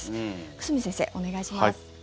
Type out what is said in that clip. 久住先生、お願いします。